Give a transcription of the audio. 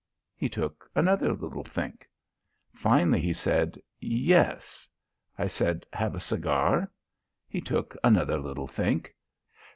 He took another little think. Finally he said: 'Yes.' I said 'Have a cigar?' He took another little think.